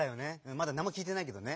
まだなんもきいてないけどね。